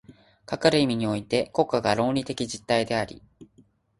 かかる意味において国家が倫理的実体であり、